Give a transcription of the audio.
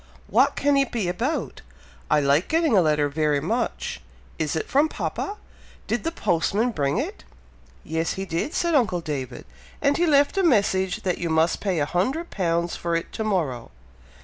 "What can it be about! I like getting a letter very much! Is it from papa? Did the postman bring it?" "Yes, he did," said uncle David: "and he left a message that you must pay a hundred pounds for it to morrow."